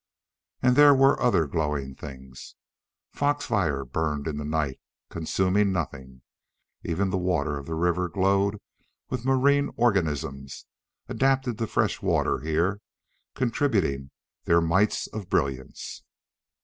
And there were other glowing things. Fox fire burned in the night, consuming nothing. Even the water of the river glowed with marine organisms adapted to fresh water here contributing their mites of brilliance.